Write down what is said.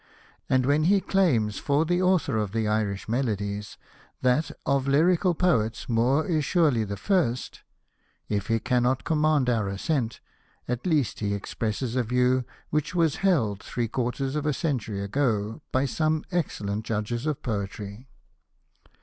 And when he claims for the author of the Irish Melodies that, ' of English Lyrical Poets, Moore is surely the first,' if he cannot command our assent, at least he expresses a view which was held three quarters of a century ago by some excellent judges of poetry.